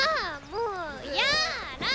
もうやら！